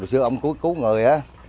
xưa ông cứ cứu người á